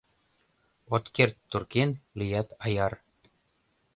От керт туркен, лият аяр.